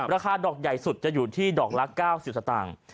ราคาดอกใหญ่สุดจะอยู่ที่ดอกละ๙๐สตางค์